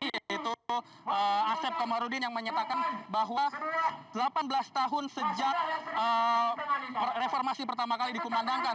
yaitu asep komarudin yang menyatakan bahwa delapan belas tahun sejak reformasi pertama kali dikumandangkan